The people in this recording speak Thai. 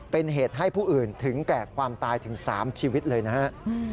เป็นเหตุให้ผู้อื่นถึงแก่ความตายถึง๓ชีวิตเลยนะครับ